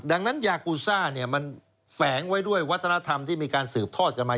ดังนั้นยากูซ่าเนี่ยมันแฝงไว้ด้วยวัฒนธรรมที่มีการสืบทอดกันมา